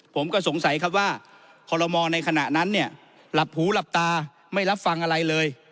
ผมก็สงสัยครับว่าคอลโลมอลในขณะนั้นเนี่ยหลับหูหลับตาไม่รับฟังอะไรเลย